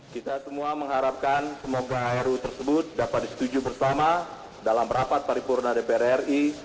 kita semua mengharapkan semoga ru tersebut dapat disetujui bersama dalam rapat paripurna dpr ri